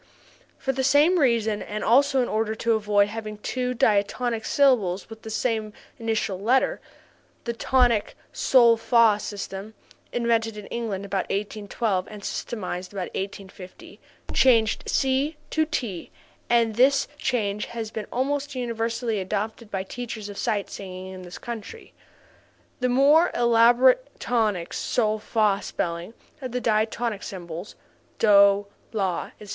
For the same reason and also in order to avoid having two diatonic syllables with the same initial letter, the tonic sol fa system (invented in England about 1812 and systematized about 1850) changed SI to TI and this change has been almost universally adopted by teachers of sight singing in this country. The more elaborate tonic sol fa spelling of the diatonic syllables (DOH, LAH, etc.)